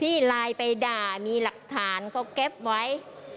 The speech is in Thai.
ไลน์ไปด่ามีหลักฐานเขาเก็บไว้